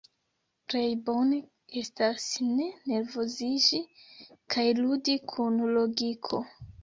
Plej bone estas ne nervoziĝi kaj ludi kun logiko.